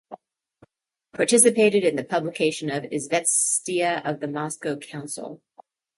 Participated in the publication of "Izvestia of the Moscow Council".